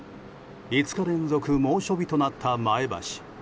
５日連続猛暑日となった前橋。